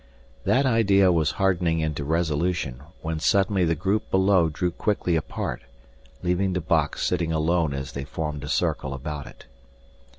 That idea was hardening into resolution when suddenly the group below drew quickly apart, leaving the box sitting alone as they formed a circle about it.